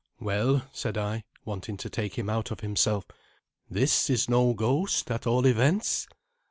"Well," said I, wanting to take him out of himself, "this is no ghost, at all events.